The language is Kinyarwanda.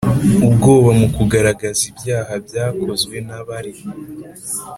ubwoba mu kugaragaza ibyaha byakozwe n'abari